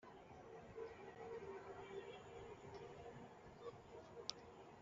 rozali ni inzira yo gusobanukirwa n’amabanga ya kristu